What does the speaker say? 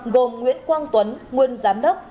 gồm nguyễn quang tuấn nguyên giám đốc